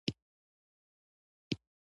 پابندی غرونه د افغانانو ژوند اغېزمن کوي.